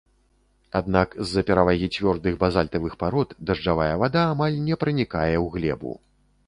Аднак з-за перавагі цвёрдых базальтавых парод дажджавая вада амаль не пранікае ў глебу.